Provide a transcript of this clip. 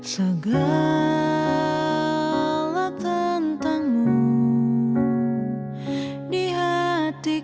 segala tentangmu di hatiku